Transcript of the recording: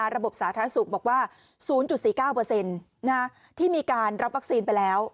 สาธารณสุขบอกว่า๐๔๙ที่มีการรับวัคซีนไปแล้ว